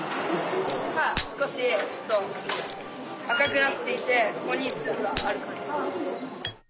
少し赤くなっていてここにツブがある感じです。